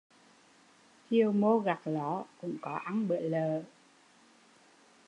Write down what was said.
Chiều mô gặt ló cũng có ăn bữa lợ